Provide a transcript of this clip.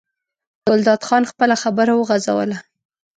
ګلداد خان خپله خبره وغځوله.